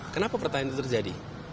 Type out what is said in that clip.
kenapa pertanyaan itu terjadi